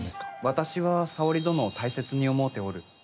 私は沙織殿を大切に思うておる。